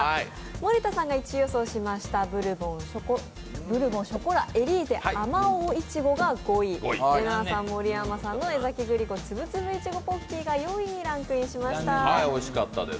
森田さんが１位予想しましたブルボンショコラエリーゼあまおう苺、れなぁさん森山さんの江崎さんのつぶつぶいちごポッキーがランクインしました。